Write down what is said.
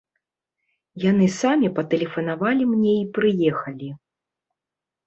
Яны самі патэлефанавалі мне і прыехалі.